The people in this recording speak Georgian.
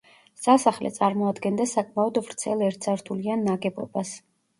სასახლე წარმოადგენდა საკმაოდ ვრცელ ერთსართულიან ნაგებობას.